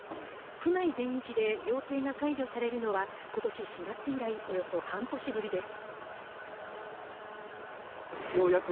府内全域で要請が解除されるのはことし４月以来およそ半年ぶりです